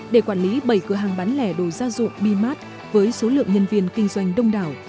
để quản lý bảy cửa hàng bán lẻ đồ gia dụng b mart với số lượng nhân viên kinh doanh đông đảo